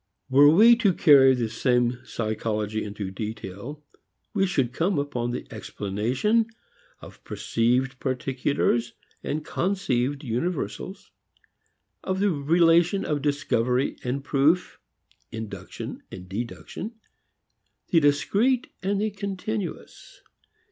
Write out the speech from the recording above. Were we to carry the same psychology into detail we should come upon the explanation of perceived particulars and conceived universals, of the relation of discovery and proof, induction and deduction, the discrete and the continuous.